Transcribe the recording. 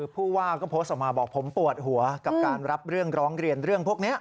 ผู้ว่าก็โพสต์ออกมาบอกผมปวดหัวกับการรับเรื่องร้องเรียนเรื่องพวกนี้